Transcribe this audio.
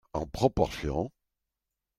En proportion.